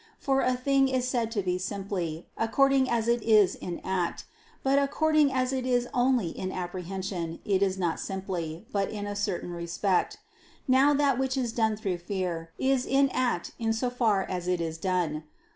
For a thing is said to be simply, according as it is in act; but according as it is only in apprehension, it is not simply, but in a certain respect. Now that which is done through fear, is in act in so far as it is done.